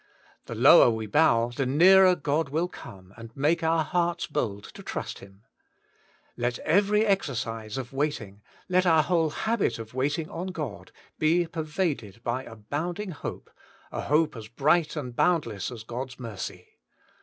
The lower we bow, the nearer God will come, and make our hearts bold to trust HiuL Let every exercise of waiting, let our whole habit of waiting on God, be pervaded by abounding hope — a hope as bright and bound less as God's mercy.